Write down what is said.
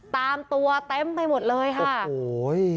ตามตัวเต็มไปหมดเลยค่ะโอ้โห